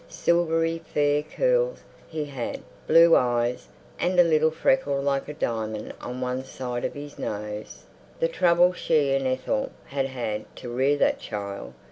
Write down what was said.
Silvery fair curls he had, blue eyes, and a little freckle like a diamond on one side of his nose. The trouble she and Ethel had had to rear that child!